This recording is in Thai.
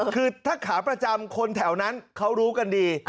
คือถ้าขาประจำคนแถวนั้นเขารู้กันดี